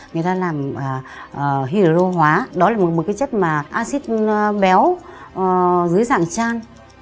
người ta làm hydro hóa đó là một chất acid béo dưới dạng chan